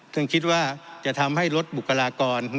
ซึ่งคิดว่าจะทำให้ลดบุคลากร